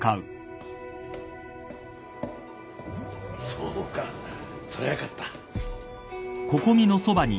そうかそれはよかった。